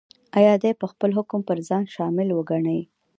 ایا دی به خپل حکم پر ځان شامل وګڼي؟